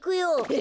え！